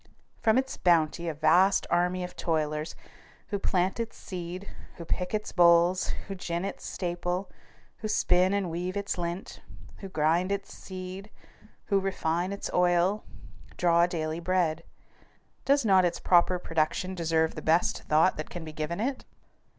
From its bounty a vast army of toilers, who plant its seed, who pick its bolls, who gin its staple, who spin and weave its lint, who grind its seed, who refine its oil, draw daily bread. Does not its proper production deserve the best thought that can be given it?